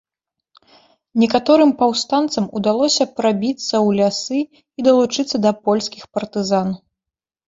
Некаторым паўстанцам удалося прабіцца ў лясы і далучыцца да польскіх партызан.